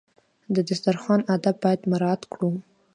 د دسترخوان آداب باید مراعات کړو.